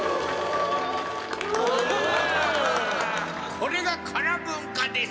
これが唐文化です。